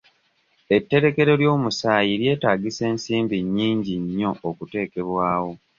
Etterekero ly'omusaayi lyetaagisa ensimbi nnyingi nnyo okuteekebwawo.